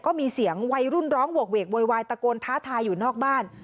ก็มีเสียงวัยรุ่นร้องโหกเวกโวยวายตะโกนท้าทายอยู่นอกบ้าน